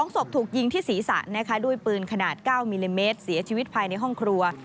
๒ศพถูกยิงที่ศีรษะนะคะด้วยปืนขนาด๙มิลลิเมตรเสียชีวิตภายในห้องครัว